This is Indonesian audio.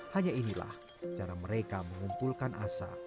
hanya inilah cara mereka mengumpulkan asa